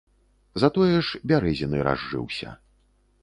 Затое ж бярэзіны разжыўся.